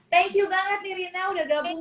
thank you banget nih rina udah gabung